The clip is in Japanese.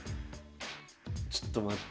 ちょっと待って。